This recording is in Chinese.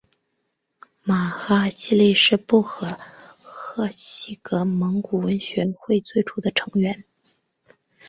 玛哈希力是布和贺喜格蒙古文学会最初的成员。